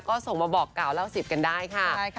ก็ส่งมาบอกกล่าวเล่าสิบกันได้ค่ะใช่ค่ะ